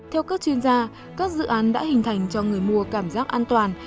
theo các chuyên gia các dự án đã hình thành cho người mua cảm giác an toàn